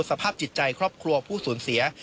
สภาพจิตใจครอบครัวผู้สูญเสีย